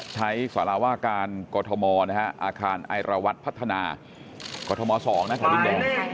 ใช้สารวาการกรทมอาคารไอรวัตพัฒนากรทม๒นะครับ